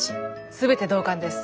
全て同感です。